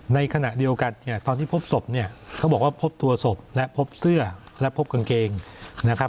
ในขณะเดียวกันเนี่ยตอนที่พบศพเนี่ยเขาบอกว่าพบตัวศพและพบเสื้อและพบกางเกงนะครับ